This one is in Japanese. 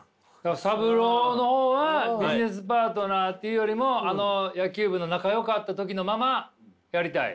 サブローの方はビジネスパートナーというよりもあの野球部の仲よかった時のままやりたい？